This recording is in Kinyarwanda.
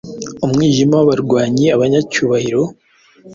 Umwijima wabarwanyi Abanyacyubahiro